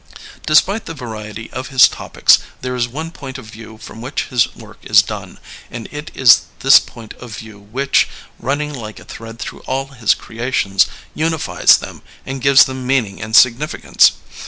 Despite the variety of his topics there is one point of view from which his work is done, and it is this point of view which, running like a thread through all his creations, unifies them and gives them meaning and significance.